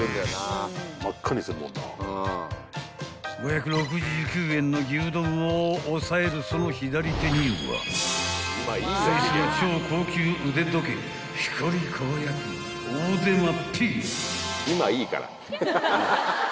［５６９円の牛丼を押さえるその左手にはスイスの超高級腕時計光り輝くオーデマピゲ］